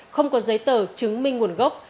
không có giấy tờ chứng minh nguồn gốc